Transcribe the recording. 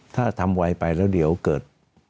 ถ้าทำไวไปแล้วเดี๋ยวเกิด